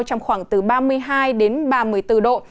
trong khoảng từ ba mươi hai đến ba mươi bốn độ